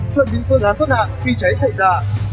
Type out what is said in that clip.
chuẩn bị phương án tốt hạn khi cháy xảy ra